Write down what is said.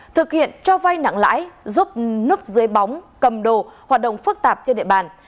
thực hiện cho vay nặng lãi giúp núp dưới bóng cầm đồ hoạt động phức tạp trên địa bàn